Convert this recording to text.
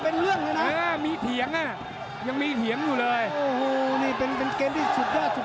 เป็นเรื่องเลยนะมีเถียงอ่ะยังมีเถียงอยู่เลยโอ้โหนี่เป็นเกมที่สุดยอดสุด